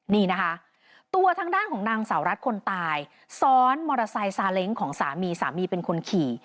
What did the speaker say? นี่นะคะตัวทางด้านของนางสาวรัฐคนตายซ้อนมอเตอร์ไซค์ซาเล้งของสามีสามีเป็นคนขี่